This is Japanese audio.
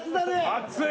熱い！